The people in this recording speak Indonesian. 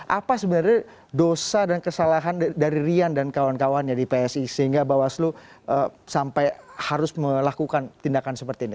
apa sebenarnya dosa dan kesalahan dari rian dan kawan kawannya di psi sehingga bawaslu sampai harus melakukan tindakan seperti ini